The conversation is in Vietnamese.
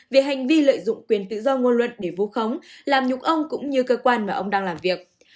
về hành vi lợi dụng quyền tự do ngôn luận để vu khống làm nhục ông cũng như cơ quan mà ông đang làm việc